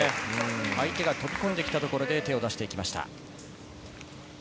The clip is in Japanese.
相手が飛び込んできたところで手を出していきました。